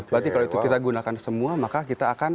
berarti kalau itu kita gunakan semua maka kita akan